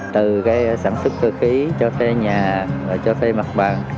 từ cái sản xuất cơ khí cho xe nhà cho xe mặt bằng